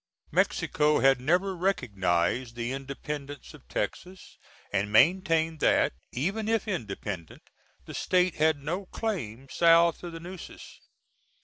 Mexico had never recognized the independence of Texas, and maintained that, even if independent, the State had no claim south of the Nueces.